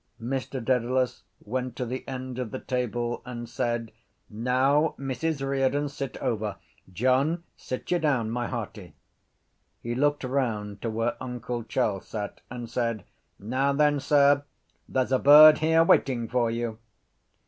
Mr Dedalus went to the end of the table and said: —Now, Mrs Riordan, sit over. John, sit you down, my hearty. He looked round to where uncle Charles sat and said: —Now then, sir, there’s a bird here waiting for you.